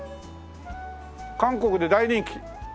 「韓国で大人気」